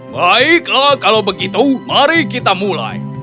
baiklah kalau begitu mari kita mulai